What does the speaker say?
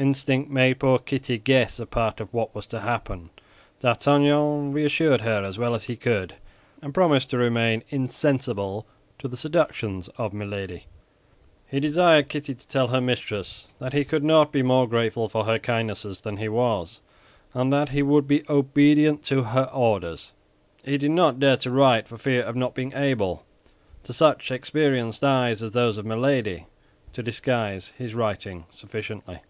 Instinct made poor Kitty guess a part of what was to happen. D'Artagnan reassured her as well as he could, and promised to remain insensible to the seductions of Milady. He desired Kitty to tell her mistress that he could not be more grateful for her kindnesses than he was, and that he would be obedient to her orders. He did not dare to write for fear of not being able—to such experienced eyes as those of Milady—to disguise his writing sufficiently.